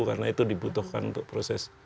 karena itu dibutuhkan untuk proses